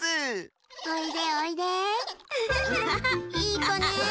いいこねえ。